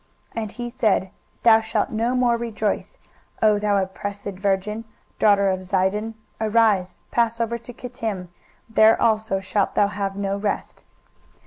23:023:012 And he said, Thou shalt no more rejoice, O thou oppressed virgin, daughter of Zidon: arise, pass over to Chittim; there also shalt thou have no rest.